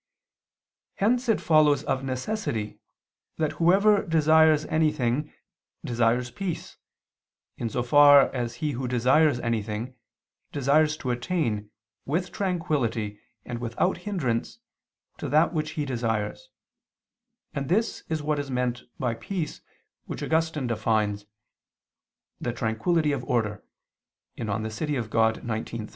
Hence it follows of necessity that whoever desires anything desires peace, in so far as he who desires anything, desires to attain, with tranquillity and without hindrance, to that which he desires: and this is what is meant by peace which Augustine defines (De Civ. Dei xix, 13) "the tranquillity of order."